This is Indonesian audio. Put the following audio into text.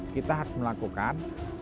kita harus melakukan